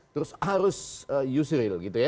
terus harus yusril gitu ya